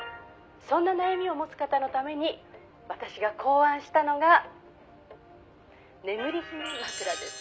「そんな悩みを持つ方のために私が考案したのが眠り姫枕です」